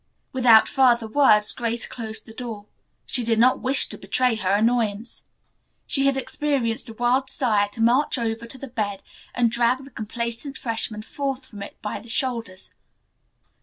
Without further words Grace closed the door. She did not wish to betray her annoyance. She had experienced a wild desire to march over to the bed and drag the complacent freshman forth from it by the shoulders.